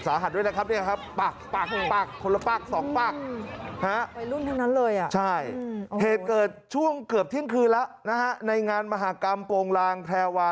เหตุเกิดช่วงเกือบเที่ยงคืนแล้วนะฮะในงานมหากรรมโปรงลางแพรวา